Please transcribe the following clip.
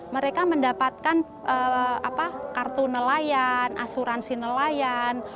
mereka mendapatkan kartu nelayan asuransi nelayan